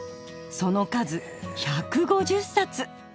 その数１５０冊！